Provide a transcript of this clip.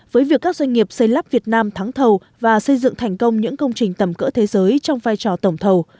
với việc các doanh nghiệp xây lắp việt nam thắng thầu và xây dựng thành công những công trình tầm cỡ thế giới trong vai trò tổng thầu